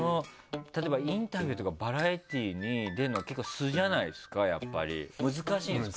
例えばインタビューとかバラエティーに出るの結構素じゃないですかやっぱり難しいんですか？